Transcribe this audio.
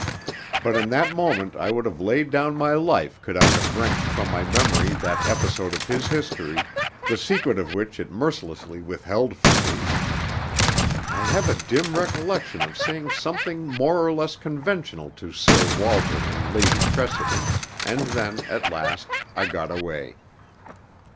But in that moment I would have laid down my life could I have wrenched from my memory that episode of his history, the secret of which it mercilessly withheld from me. I have a dim recollection of saying something more or less conventional to Sir Walter and Lady Tressidy, and then, at last, I got away.